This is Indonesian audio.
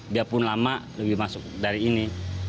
biarpun lama lebih masuk dari ini